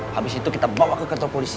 habis itu kita bawa ke kantor polisi